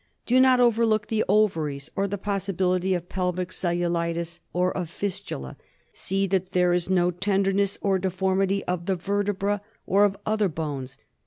Do not overlook the ovaries, or the possibility of pelvic cellulitis, or of fistula. See that there is no tenderness or deformity of the vertebrae or of other bones.